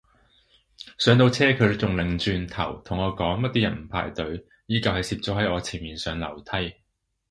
上到車佢仲擰轉頭同我講乜啲人唔排隊，依舊係攝咗喺我前面上樓梯